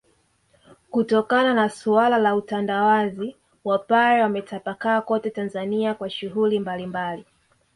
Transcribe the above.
kutokana na suala la utandawazi Wapare wametapakaa kote Tanzania kwa shughuli mbalimbali